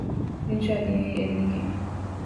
އިންޝާ ދިޔައީ އެއްލިގެން